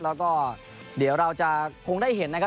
แล้วก็เดี๋ยวเราจะคงได้เห็นนะครับ